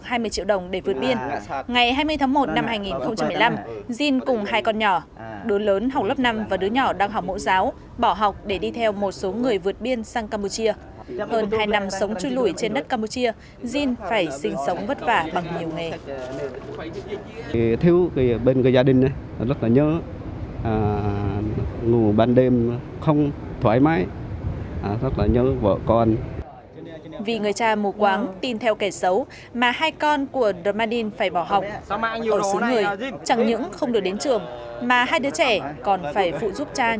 hãy đăng ký kênh để nhận thông tin nhất